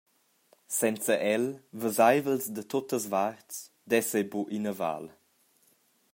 Senza el, veseivels da tuttas varts, dess ei buc ina val.